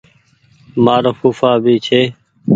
مآرو ڦوڦآ بي ڇي۔